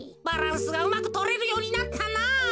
バランスがうまくとれるようになったなぁ。